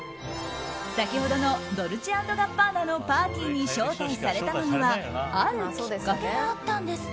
先ほどのドルチェ＆ガッバーナのパーティーに招待されたのにはあるきっかけがあったんです。